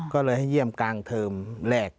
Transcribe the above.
ก็เลยให้เยี่ยมกลางเทอมแรก